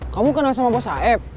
kamu kenal sama bos aeb